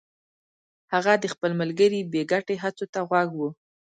هغه د خپل ملګري بې ګټې هڅو ته غوږ و